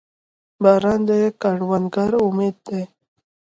• باران د کروندګرو امید دی.